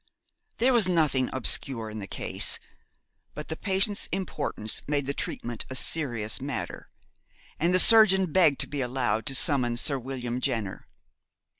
There was nothing obscure in the case, but the patient's importance made the treatment a serious matter, and the surgeon begged to be allowed to summon Sir William Jenner.